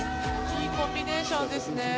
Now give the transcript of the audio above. いいコンビネーションですね。